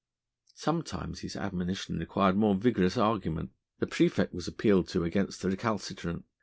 Sometimes his admonition required more vigorous argument. The praefect was appealed to against the recalcitrant.